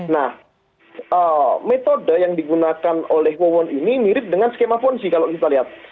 nah metode yang digunakan oleh wawon ini mirip dengan skema fonzi kalau kita lihat